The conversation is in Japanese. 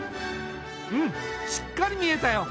うんしっかり見えたよ。